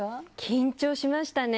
緊張しましたね。